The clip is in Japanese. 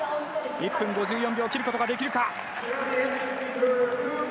１分５４秒を切ることができるか。